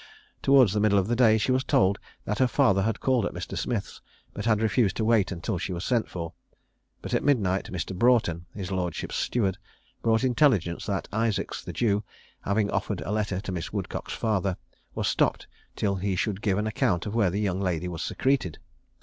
Towards the middle of the day she was told that her father had called at Mr. Smith's, but had refused to wait until she was sent for; but at midnight Mr. Broughton, his lordship's steward, brought intelligence that Isaacs, the Jew, having offered a letter to Miss Woodcock's father, was stopped till he should give an account where the young lady was secreted.